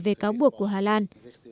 về cáo buộc của hà lan